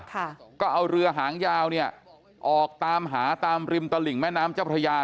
ค่ะก็เอาเรือหางยาวเนี่ยออกตามหาตามริมตลิ่งแม่น้ำเจ้าพระยา